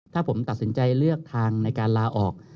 ถ้าผมตัดสินใจเลือกทางในการลาออก